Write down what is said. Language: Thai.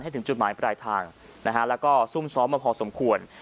ถึงจุดหมายปลายทางนะฮะแล้วก็ซุ่มซ้อมมาพอสมควร